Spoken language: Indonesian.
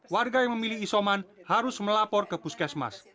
warga yang memilih isoman harus melapor ke puskesmas